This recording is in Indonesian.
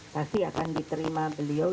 pasti akan diterima beliau